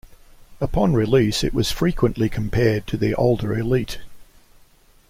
Upon release, it was frequently compared to the older Elite.